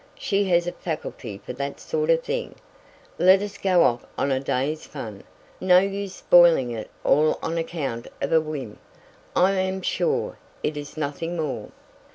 She has a faculty for that sort of thing. Let us go off on a day's fun. No use spoiling it all on account of a whim I am sure it is nothing more."